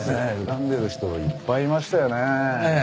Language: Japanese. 恨んでる人いっぱいいましたよねえ。